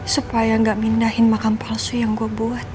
supaya nggak mindahin makan palsu yang gue buat